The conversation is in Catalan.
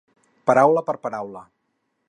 Paraula per paraula.